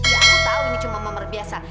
ya aku tahu ini cuma memer biasa